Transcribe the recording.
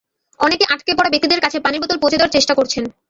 অনেকে আটকে পড়া ব্যক্তিদের কাছে পানির বোতল পৌঁছে দেওয়ার চেষ্টা করছেন।